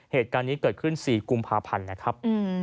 เหตุการณ์นี้เกิดขึ้น๔กุมภาพันธ์นะครับ